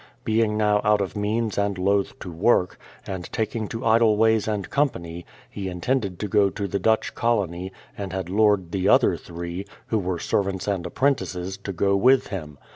Being now out of means and loth to work, and taking to idle ways and company, he intended to go to the Dutch colony, and had lured the other three, who were servants and apprentices, to go with him.